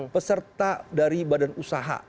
peserta dari badan usaha